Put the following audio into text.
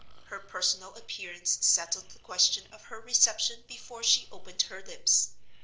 Her personal appearance settled the question of her reception before she opened her lips.